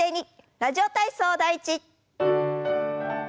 「ラジオ体操第１」。